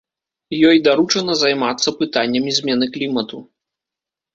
Ёй даручана займацца пытаннямі змены клімату.